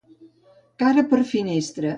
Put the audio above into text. Cara per finestra.